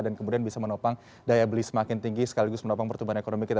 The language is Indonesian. dan kemudian bisa menopang daya beli semakin tinggi sekaligus menopang pertumbuhan ekonomi kita